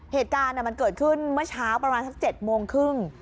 เหตุการณ์มันเกิดขึ้นเมื่อเช้าประมาณสัก๗โมงครึ่ง